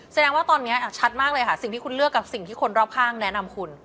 แสดงว่าตอนนี้ชัดมากเลยค่ะสิ่งที่คุณเลือกกับสิ่งที่คนรอบข้างแนะนำคุณ